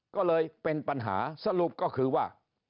ก็เลยเป็นปัญหาสรุปก็คือว่า